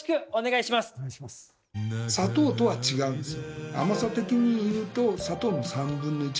砂糖とは違うんですよ。